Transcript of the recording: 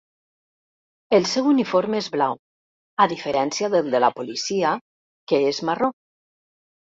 El seu uniforme és blau, a diferència del de la policia, que és marró.